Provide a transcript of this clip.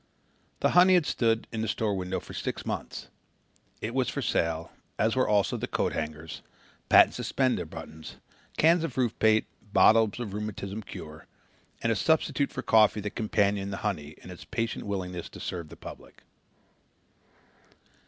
The honey had stood in the store window for six months. It was for sale as were also the coat hangers, patent suspender buttons, cans of roof paint, bottles of rheumatism cure, and a substitute for coffee that companioned the honey in its patient willingness to serve the public.